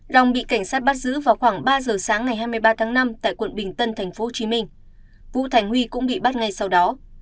long bị cảnh sát bắt giữ vào khoảng ba giờ sáng ngày hai mươi ba tháng năm tại quận bình tân thành phố hồ chí minh vũ thành huy cũng bị bắt ngay sau đó